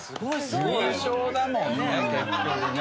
優勝だもんね結局ね。